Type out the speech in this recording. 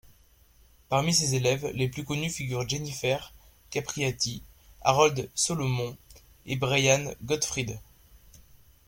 Parmi ses élèves les plus connus figurent Jennifer Capriati, Harold Solomon et Brian Gottfried.